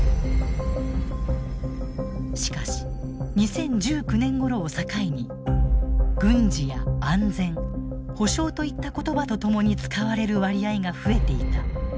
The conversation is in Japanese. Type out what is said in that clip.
しかし２０１９年ごろを境に「軍事」や「安全」「保障」といった言葉と共に使われる割合が増えていた。